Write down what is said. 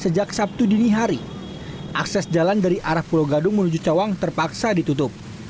sejak sabtu dini hari akses jalan dari arah pulau gadung menuju cawang terpaksa ditutup